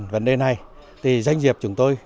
vấn đề này danh dịp chúng tôi